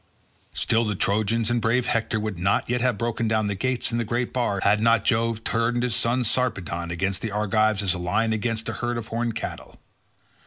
Still the Trojans and brave Hector would not yet have broken down the gates and the great bar, had not Jove turned his son Sarpedon against the Argives as a lion against a herd of horned cattle.